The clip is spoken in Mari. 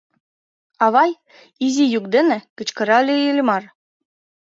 — Авай, — изи йӱк дене кычкырале Иллимар.